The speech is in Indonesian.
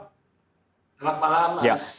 selamat malam mas